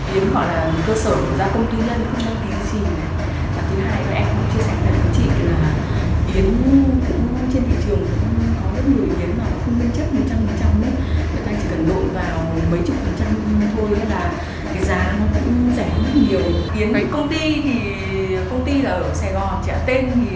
yến xào có gốc không tức là yến họ là cơ sở của gia công tư nhân không đăng ký xin